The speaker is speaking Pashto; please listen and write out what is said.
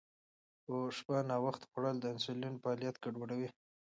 په شپه ناوخته خوړل د انسولین فعالیت ګډوډوي.